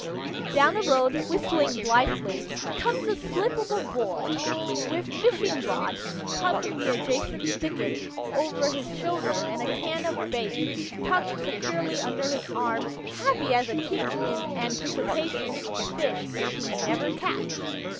Down the road, whistling blithely, comes a slip of a boy, with fishing rod, cut from the adjacent thicket, over his shoulder and a can of bait tucked securely under his arm, happy as a king in anticipation of the fish he may never catch.